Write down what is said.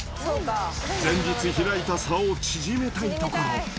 前日開いた差を縮めたいところ。